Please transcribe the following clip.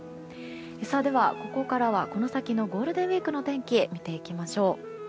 では、ここからはこの先のゴールデンウィークの天気見ていきましょう。